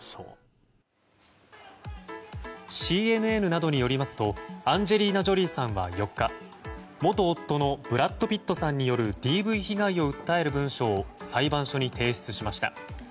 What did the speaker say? ＣＮＮなどによりますとアンジェリーナ・ジョリーさんは４日元夫のブラッド・ピットさんによるＤＶ被害を訴える文書を裁判所に提出しました。